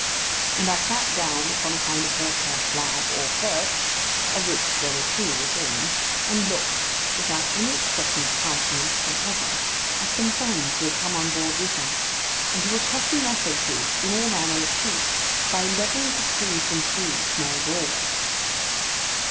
And I sat down upon a kind of horsehair slab, or perch, of which there were two within; and looked, without any expression of countenance whatever, at some friends who had come on board with us, and who were crushing their faces into all manner of shapes by endeavouring to squeeze them through the small doorway.